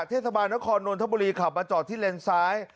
เทศบาลนครนนทบุรีขับมาจอดที่เลนซ้าย